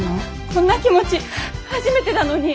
こんな気持ち初めてだのに。